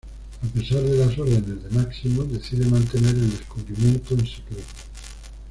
A pesar de las órdenes de Máximo, decide mantener el descubrimiento en secreto.